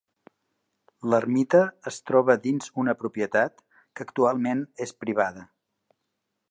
L'ermita es troba dins una propietat que actualment és privada.